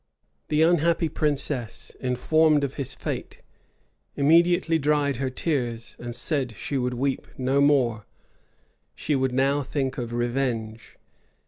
The unhappy princess, informed of his fate, immediately dried her tears, and said, she would weep no more; she would now think of revenge.